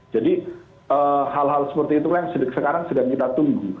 jadi hal hal seperti itulah yang sekarang sedang kita tunggu